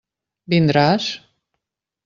Vindràs?